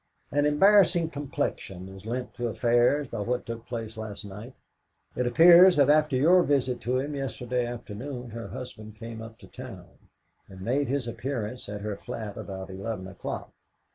An embarrassing complexion is lent to affairs by what took place last night. It appears that after your visit to him yesterday afternoon her husband came up to town, and made his appearance at her flat about eleven o'clock.